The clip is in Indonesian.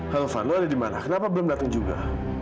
halo vano ada di mana kenapa belum datang juga